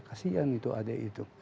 kasian itu adik itu